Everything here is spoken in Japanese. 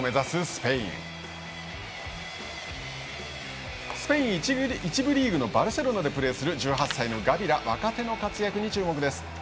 スペイン１部リーグのバルセロナでプレーする１８歳のガビら若手の活躍に注目です。